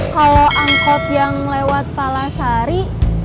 kalau angkot yang lewat palasari